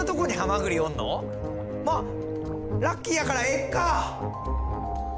まっラッキーやからええか！